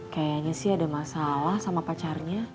kayaknya sih ada masalah sama pacarnya